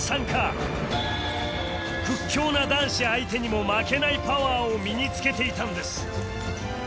屈強な男子相手にも負けないパワーを身につけていたんです